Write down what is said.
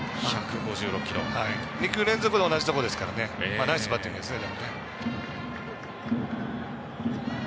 ２球連続同じところなのでナイスバッティングですね。